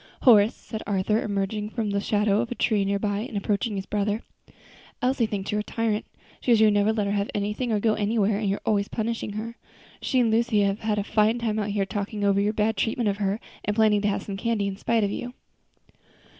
"Horace," said Arthur, emerging from the shadow of a tree near by and approaching his brother, "Elsie thinks you're a tyrant. She says you never let her have anything, or go anywhere, and you're always punishing her. She and Lucy have had a fine time out here talking over your bad treatment of her, and planning to have some candy in spite of you."